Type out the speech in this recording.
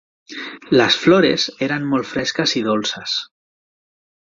"Les flores eren molt fresques i dolces."